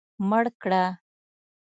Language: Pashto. مړ کړه.